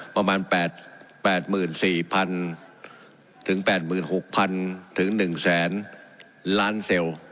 ประมาณ๘๔๐๐๐๘๖๐๐๐๑๐๐๐๐๐ล้านเซลล์